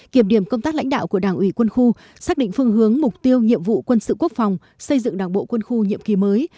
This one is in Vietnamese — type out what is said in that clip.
kiểm điểm công tác lãnh đạo của đảng ủy quân khu xác định phương hướng mục tiêu nhiệm vụ quân sự quốc phòng xây dựng đảng bộ quân khu nhiệm kỳ mới